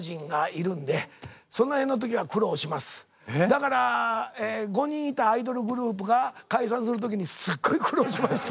だから５人いたアイドルグループが解散する時にすっごい苦労しました。